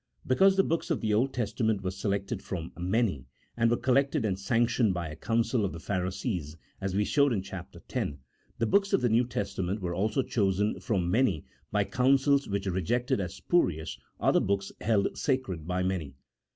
Because the books of the Old Testament were selected from many, and were collected and sanctioned by a council of the Pharisees, as we showed in Chap. X. The books of the New Testament were also chosen from many by councils which rejected as spurious other books held sacred by many.